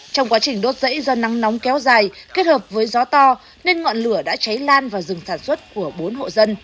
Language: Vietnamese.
trong quá trình đốt dãy do nắng nóng kéo dài kết hợp với gió to nên ngọn lửa đã cháy lan vào rừng sản xuất của bốn hộ dân